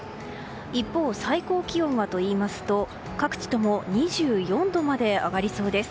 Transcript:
一方、最高気温はといいますと各地とも２４度まで上がりそうです。